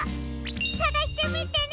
さがしてみてね！